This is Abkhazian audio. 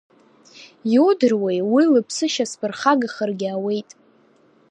Иудыруеи, уи лыԥсышьа сԥырхагахаргьы ауеит.